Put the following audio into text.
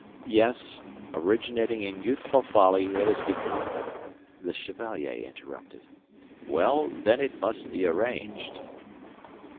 "Yes, originating in youthful folly it has become..." The Chevalier interrupted. "Well then it must be arranged."